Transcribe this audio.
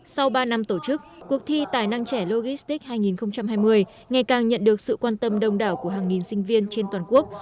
sau ba năm tổ chức cuộc thi tài năng trẻ logistics hai nghìn hai mươi ngày càng nhận được sự quan tâm đông đảo của hàng nghìn sinh viên trên toàn quốc